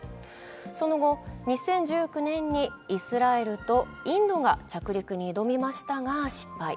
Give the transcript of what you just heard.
その後、２０１９年にイスラエルとインドが着陸に挑みましたが失敗。